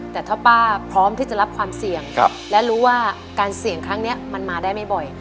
แต่ถ้าป้าพร้อมที่จะรับความเสี่ยงและรู้ว่าการเสี่ยงครั้งนี้มันมาได้ไม่บ่อย